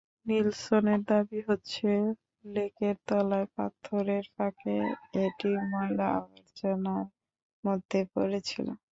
নিলসনের দাবি হচ্ছে, লেকের তলায় পাথরের ফাঁকে এটি ময়লা-আবর্জনার মধ্যে পড়ে ছিল।